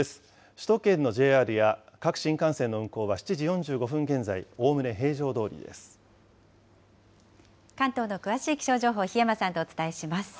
首都圏のＪＲや各新幹線の運行は７時４５分現在、おおむね平常ど関東の詳しい気象情報、檜山さんとお伝えします。